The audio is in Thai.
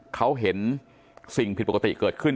เขาเห็นสิ่งผิดปกติเกิดขึ้น